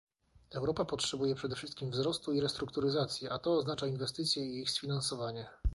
Europa potrzebuje przede wszystkim wzrostu i restrukturyzacji, a to oznacza inwestycje i ich sfinansowanie